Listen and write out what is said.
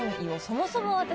そもそも私。